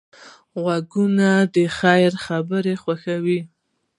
غوږونه د خیر خبره خوښوي